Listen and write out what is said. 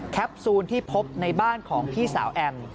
ซูลที่พบในบ้านของพี่สาวแอม